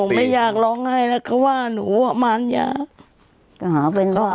หนูไม่อยากร้องให้นะเขาว่าหนูว่ามันอยาก